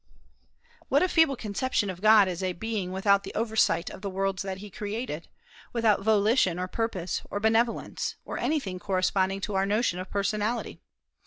What a feeble conception of God is a being without the oversight of the worlds that he created, without volition or purpose or benevolence, or anything corresponding to our notion of personality!